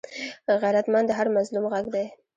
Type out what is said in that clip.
غیرتمند د هر مظلوم غږ دی